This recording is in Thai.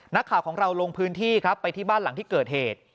นักข่าวของเราลงพื้นที่ครับไปที่บ้านหลังที่เกิดเหตุ